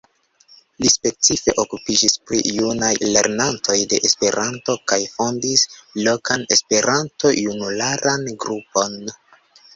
Li specife okupiĝis pri junaj lernantoj de Esperanto kaj fondis lokan Esperanto-junularan grupon.